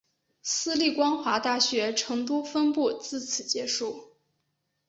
私立光华大学成都分部自此结束。